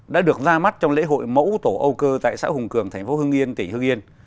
đã được ra mắt trong lễ hội mẫu tổ âu cơ tại xã hùng cường thành phố hưng yên tỉnh hưng yên